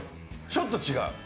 ちょっと違う。